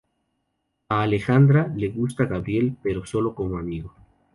A Alejandra le gusta Gabriel pero solo como amigo.